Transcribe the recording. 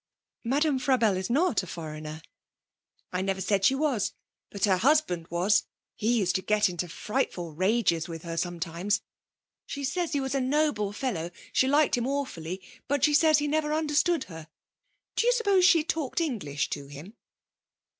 'Madame Frabelle is not a foreigner.' 'I never said she was. But her husband was. He used to get into frightful rages with her sometimes. She says he was a noble fellow. She liked him awfully, but she says he never understood her. Do you suppose she talked English to him?'